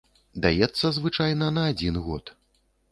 Даецца звычайна на адзін год.